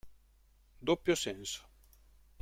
Doppio senso